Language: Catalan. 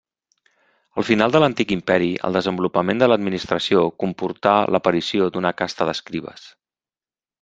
Al final de l'Antic Imperi, el desenvolupament de l'administració comportar l'aparició d'una casta d'escribes.